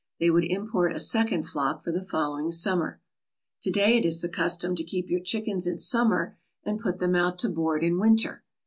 They would import a second flock for the follow ing summer. To day it is the custom to keep your chickens in summer and put them out to board in winter.